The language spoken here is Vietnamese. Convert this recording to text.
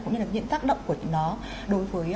cũng như là những tác động của nó đối với